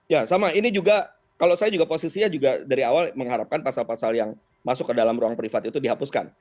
ya sama ini juga kalau saya juga posisinya juga dari awal mengharapkan pasal pasal yang masuk ke dalam ruang privat itu dihapuskan